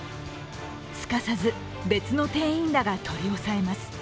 すかさず、別の店員らが取り押さえます。